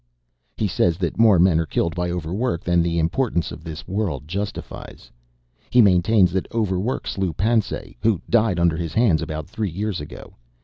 He says that more men are killed by overwork than the importance of this world justifies. He maintains that overwork slew Pansay, who died under his hands about three years ago.